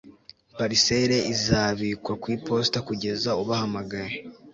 parcelle izabikwa ku iposita kugeza ubahamagaye